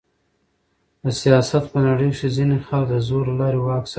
د سیاست په نړۍ کښي ځينې خلک د زور له لاري واک ساتي.